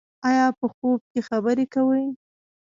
ایا په خوب کې خبرې کوئ؟